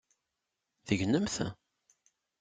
Tegnemt?